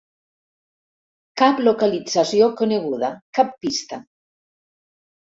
Cap localització coneguda, cap pista.